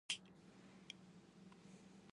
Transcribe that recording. Tolong katakan kebenarannya.